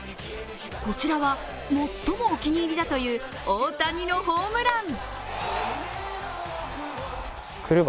こちらは最もお気に入りだという大谷のホームラン。